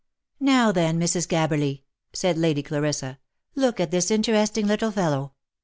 " Now then, Mrs. Gabberly," said Lady Clarissa, " look at this interesting little fellow